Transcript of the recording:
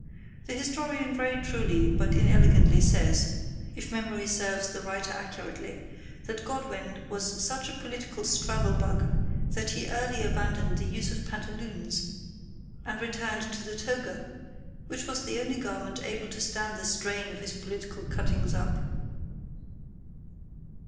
The historian very truly but inelegantly says, if memory serves the writer accurately, that Godwin was such a political straddle bug that he early abandoned the use of pantaloons and returned to the toga, which was the only garment able to stand the strain of his political cuttings up.